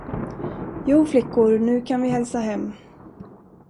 Jo, flickor, nu kan vi hälsa hem.